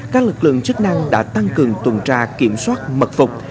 các lực lượng chức năng đã tăng cường tuần tra kiểm soát mật phục